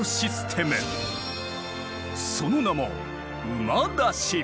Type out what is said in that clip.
その名も「馬出し」。